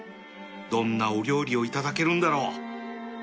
どんなお料理をいただけるんだろう